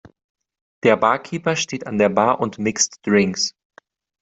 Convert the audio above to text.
Der Barkeeper steht an der Bar und mixt Drinks.